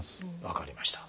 分かりました。